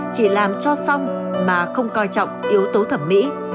chỉ làm cho xong mà không coi trọng yếu tố thẩm mỹ